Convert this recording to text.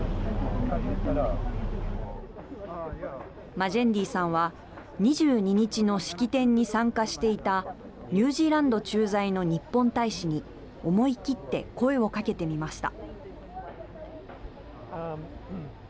マジェンディーさんは２２日の式典に参加していたニュージーランド駐在の日本大使に思い切って声をかけてみました。